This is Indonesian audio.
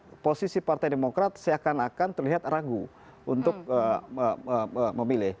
dan posisi partai demokrat seakan akan terlihat ragu untuk memilih